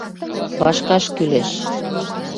Вашкаш кӱлеш.